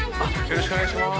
よろしくお願いします。